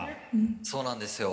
「そうなんですよ。